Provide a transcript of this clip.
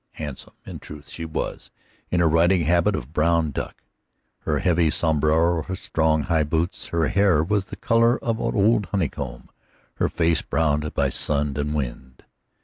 Handsome, in truth, she was, in her riding habit of brown duck, her heavy sombrero, her strong, high boots. Her hair was the color of old honeycomb, her face browned by sun and wind.